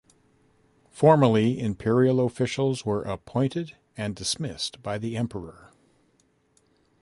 Formally, imperial officials were appointed and dismissed by the Emperor.